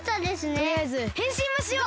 とりあえずへんしんはしよう！